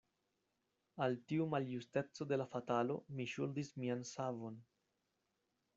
Al tiu maljusteco de la fatalo mi ŝuldis mian savon.